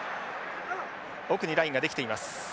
奥にラインができています。